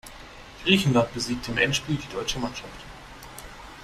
Griechenland besiegte im Endspiel die deutsche Mannschaft.